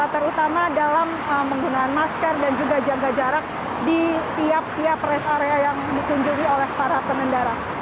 terutama dalam menggunakan masker dan juga jaga jarak di tiap tiap rest area yang dikunjungi oleh para pengendara